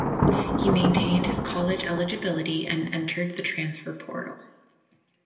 He maintained his college eligibility and entered the transfer portal.